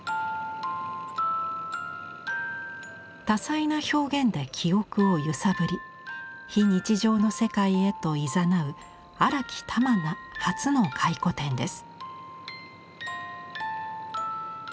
多彩な表現で記憶を揺さぶり非日常の世界へといざなう荒木珠奈初の回顧展です。